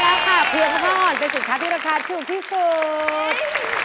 ขั้นข้อแรกมาแล้วค่ะเผือกพะพาหอดเป็นสินค้าที่ราคาถูกที่สุด